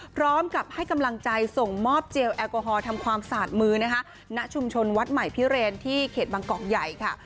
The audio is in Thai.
พร้อมกับให้กำลังใจส่งมอบเจลแอลกอฮอลทำความสะอาดมือนะคะณชุมชนวัดใหม่พิเรนที่เขตบางกอกใหญ่ค่ะ